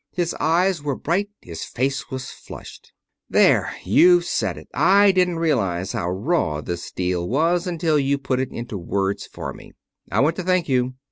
His eyes were bright. His face was flushed. "There! You've said it. I didn't realize how raw this deal was until you put it into words for me. I want to thank you.